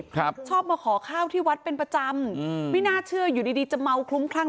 ครับชอบมาขอข้าวที่วัดเป็นประจำอืมไม่น่าเชื่ออยู่ดีดีจะเมาคลุ้มคลั่ง